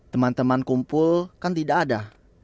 teman teman kumpul kan tidak ada